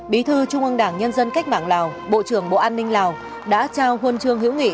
bí thư trung ương đảng nhân dân cách mạng lào bộ trưởng bộ an ninh lào đã trao huân chương hữu nghị